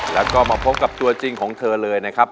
แล้วก็มาพบกับตัวจริงของเธอเลยนะครับ